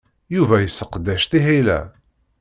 Yuba yesseqdec tiḥila.